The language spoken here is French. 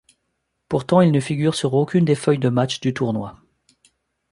Pourtant il ne figure sur aucune des feuilles de match du tournoi.